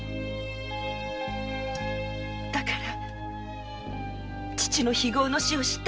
だから父の非業の死を知った